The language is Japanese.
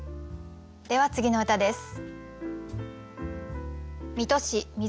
では次の歌です。